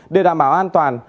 để đảm bảo an toàn